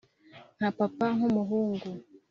nka papa, nkumuhungu